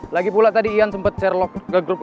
lagi pula tadi ian sempet serlok ke grup wa